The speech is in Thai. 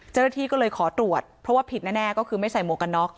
เจ้าหน้าที่ก็เลยขอตรวจเพราะว่าผิดแน่ก็คือไม่ใส่หมวกกันน็อก